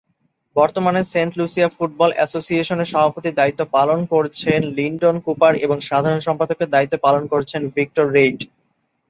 বর্তমানে Saint Lucia football অ্যাসোসিয়েশনের সভাপতির দায়িত্ব পালন করছেন লিন্ডন কুপার এবং সাধারণ সম্পাদকের দায়িত্ব পালন করছেন ভিক্টর রেইড।